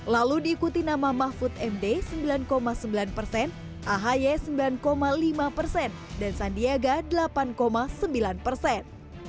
lalu diikuti nama mahfud md sembilan sembilan persen ahy sembilan lima persen dan sandiaga delapan sembilan persen